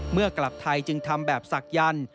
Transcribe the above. เมื่อกลับไทยจึงทำแบบศักดิ์ยันทร์